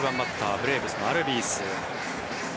ブレーブスのアルビース。